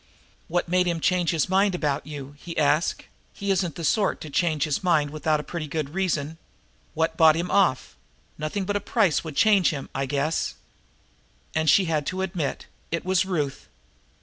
"What made Mark change his mind about you?" he asked. "He isn't the sort to change his mind without a pretty good reason. What bought him off? Nothing but a price would change him, I guess." And she had to admit: "It was Ruth."